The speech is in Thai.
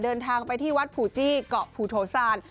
เดินทางไปที่วัดผูจี้เกาะภูโถซาน